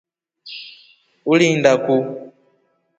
Ulinda kuu.